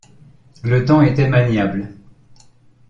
Le temps était maniable.